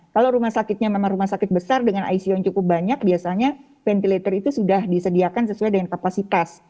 kalau rumah sakitnya memang rumah sakit besar dengan icu yang cukup banyak biasanya ventilator itu sudah disediakan sesuai dengan kapasitas